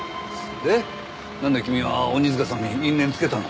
でなんで君は鬼塚さんに因縁つけたの？